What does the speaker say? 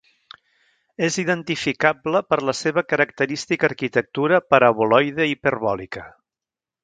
És identificable per la seva característica arquitectura paraboloide hiperbòlica.